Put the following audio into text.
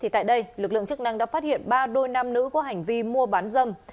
tại đây lực lượng chức năng đã phát hiện ba đôi nam nữ có hành vi mua bán dâm